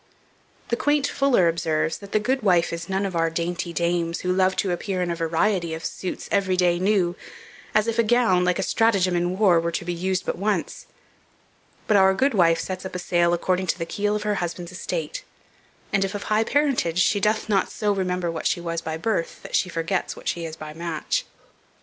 The quaint Fuller observes, that the good wife is none of our dainty dames, who love to appear in a variety of suits every day new, as if a gown, like a stratagem in war, were to be used but once. But our good wife sets up a sail according to the keel of her husband's estate; and, if of high parentage, she doth not so remember what she was by birth, that she forgets what she is by match.